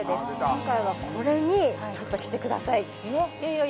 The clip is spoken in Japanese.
今回はこれにちょっと来てくださいいや